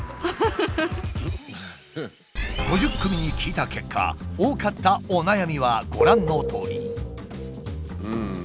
５０組に聞いた結果多かったお悩みはご覧のとおり。